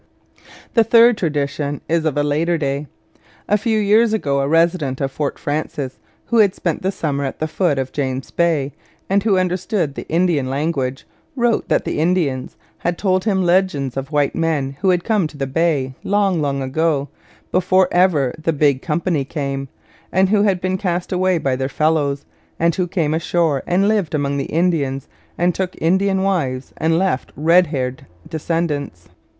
The third tradition is of a later day. A few years ago a resident of Fort Frances, who had spent the summer at the foot of James Bay, and who understood the Indian language, wrote that the Indians had told him legends of white men who had come to the Bay long long ago, before ever 'the Big Company came,' and who had been cast away by their fellows, and who came ashore and lived among the Indians and took Indian wives and left red haired descendants.